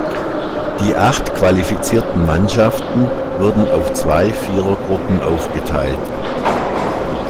Die acht qualifizierten Mannschaften wurden auf zwei Vierergruppen aufgeteilt.